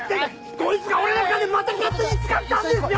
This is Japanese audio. こいつが俺の金また勝手に使ったんですよ！